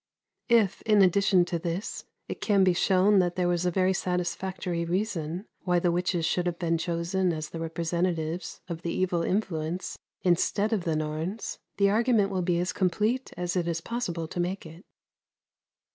If, in addition to this, it can be shown that there was a very satisfactory reason why the witches should have been chosen as the representatives of the evil influence instead of the Norns, the argument will be as complete as it is possible to make it.